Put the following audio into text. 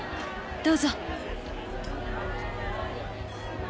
どうぞ。